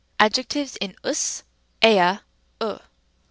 Adjectives in vs, E1a, v.